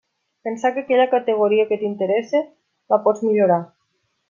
Pensar que aquella categoria que t'interessa la pots millorar.